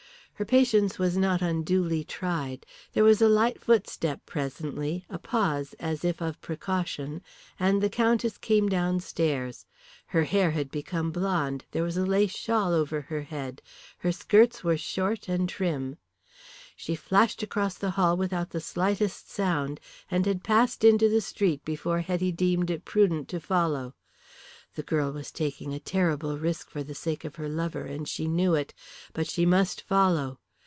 Her patience was not unduly tried. There was a light footstep presently, a pause as if of precaution, and the Countess came downstairs. Her hair had become blonde, there was a lace shawl over her head, her skirts were short and trim. She flashed across the hall without the slightest sound, and had passed into the street before Hetty deemed it prudent to follow. The girl was taking a terrible risk for the sake of her lover, and she knew it. But she must follow.